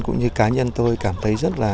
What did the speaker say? cũng như cá nhân tôi cảm thấy rất là